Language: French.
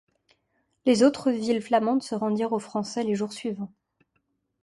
Les autres villes flamandes se rendirent aux Français les jours suivants.